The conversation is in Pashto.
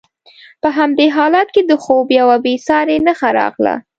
په همدې حالت کې د خوب یوه بې ساري نښه راغله.